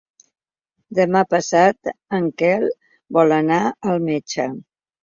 Demà passat en Quel vol anar al metge.